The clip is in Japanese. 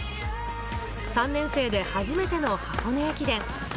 ３年生で初めての箱根駅伝。